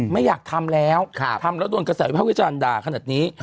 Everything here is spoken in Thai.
ไม่อยากทำแล้วทำแล้วโดนกระแสวิภาพวิจารณ์ด่าขนาดนี้